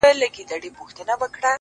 • تش په نامه دغه ديدار وچاته څه وركوي؛